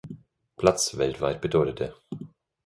Platz weltweit bedeutete.